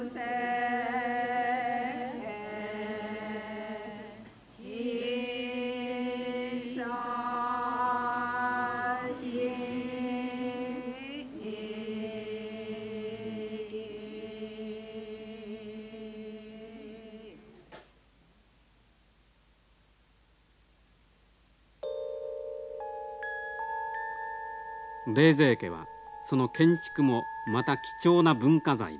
冷泉家はその建築もまた貴重な文化財です。